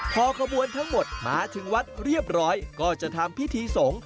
พอขบวนทั้งหมดมาถึงวัดเรียบร้อยก็จะทำพิธีสงฆ์